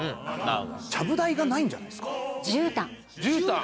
ちゃぶ台がないんじゃないでじゅうたん。